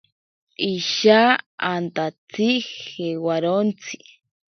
Isha antatsi jewarontsi.